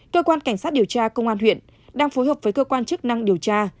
cơ quan cảnh sát điều tra công an huyện đang phối hợp với cơ quan chức năng điều tra